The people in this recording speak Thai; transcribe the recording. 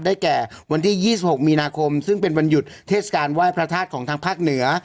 แก่วันที่๒๖มีนาคมซึ่งเป็นวันหยุดเทศกาลไหว้พระธาตุของทางภาคเหนือ